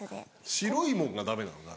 白いもんがダメなのかな？